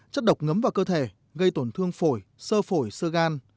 chất độc ngấm vào cơ thể gây tổn thương phổi sơ phổi sơ gan